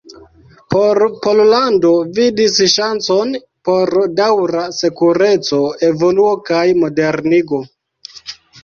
Por Pollando vidis ŝancon por daŭra sekureco, evoluo kaj modernigo.